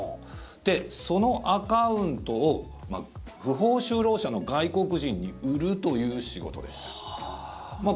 で、そのアカウントを不法就労者の外国人に売るという仕事でした。